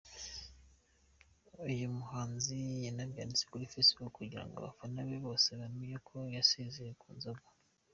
Uyu muhanzi yanabyanditse kuri facebook kugirango abafana be bose bamenye ko yasezeye ku nzoga.